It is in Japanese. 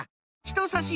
ひとさし